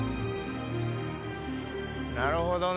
なるほどね。